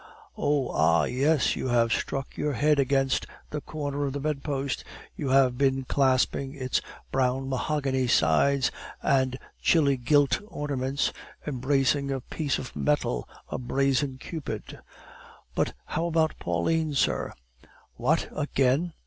Oh! ah! yes, you have struck your head against the corner of the bedpost, you have been clasping its brown mahogany sides, and chilly gilt ornaments; embracing a piece of metal, a brazen Cupid." "But how about Pauline, sir?" "What, again?